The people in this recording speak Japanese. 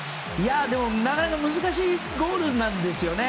でも、なかなか難しいゴールなんですよね。